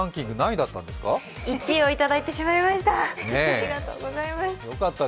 １位をいただいてしまいました。